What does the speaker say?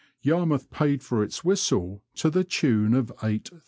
Yarmouth paid for its whistle to the tune of £8000.